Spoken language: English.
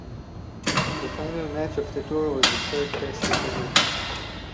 The final match of the tour was the third test with England.